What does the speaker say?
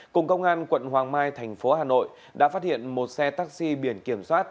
cùng công an quận hoàng mai thành phố hà nội đã phát hiện một xe taxi biển kiểm soát hai mươi chín e hai chín mươi bốn